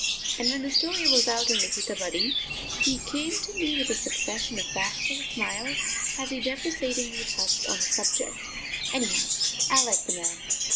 And when the story was out in the Hitabadi he came to me with a succession of bashful smiles, as he deprecatingly touched on the subject. Anyhow, I like the man.